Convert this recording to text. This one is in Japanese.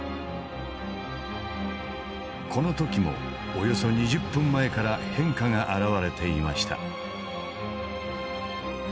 この時もおよそ２０分前から変化が現れていました。